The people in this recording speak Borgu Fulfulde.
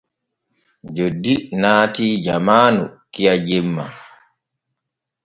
Joddi naatii jamaanu kiya jemma.